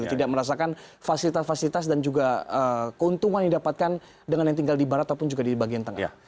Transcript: tidak merasakan fasilitas fasilitas dan juga keuntungan yang didapatkan dengan yang tinggal di barat ataupun juga di bagian tengah